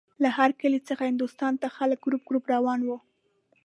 له هر کلي څخه هندوستان ته خلک ګروپ ګروپ روان وو.